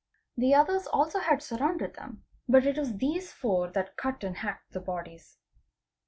The others also had surrounded them, but it was these four that cut and hacked the bodies.